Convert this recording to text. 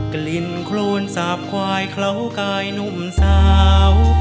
กลิ่นโครนสาบควายเคล้ากายหนุ่มสาว